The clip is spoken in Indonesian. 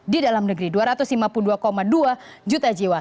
di dalam negeri dua ratus lima puluh dua dua juta jiwa